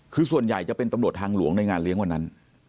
คือส่วนใหญ่จะเป็นตำรวจทางหลวงในงานเลี้ยงวันนั้น